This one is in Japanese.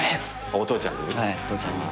お父ちゃんに？